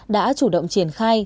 đã chủ động triển khai